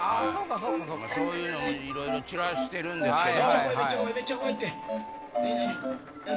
そういうのもいろいろ散らしてるんですけど。